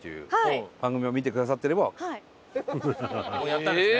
やったんですね？